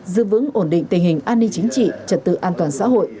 giữ vững ổn định tình hình an ninh chính trị trật tự an toàn xã hội